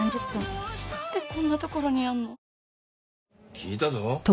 聞いたぞ。